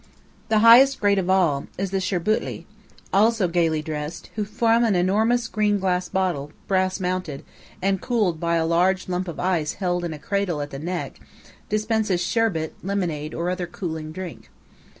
The highest grade of all is the "sherbutli," also gaily dressed, who from an enormous green glass bottle, brass mounted, and cooled by a large lump of ice held in a cradle at the neck, dispenses sherbet, lemonade, or other cooling drink.